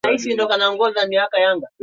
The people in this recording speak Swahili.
Mpira ni msafi